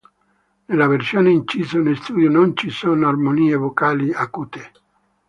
Nella versione incisa in studio non ci sono armonie vocali acute.